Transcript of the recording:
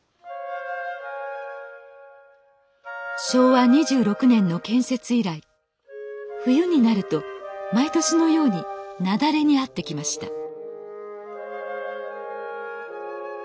昭和２６年の建設以来冬になると毎年のように雪崩に遭ってきました